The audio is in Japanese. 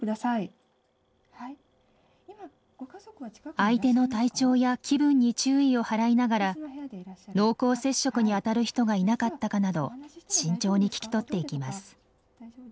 相手の体調や気分に注意を払いながら濃厚接触にあたる人がいなかったかなど慎重に聞き取っていきます。